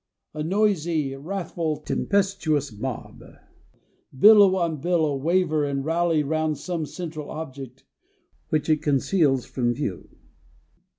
A noisy, wrathful, tempestuous mob, billow on billow, waver and rally round some central object, which it conceals from view.